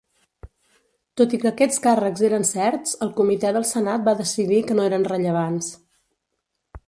Tot i que aquests càrrecs eren certs, el comitè del senat va decidir que no eren rellevants.